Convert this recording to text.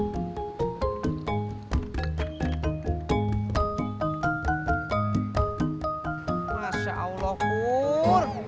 masya allah pur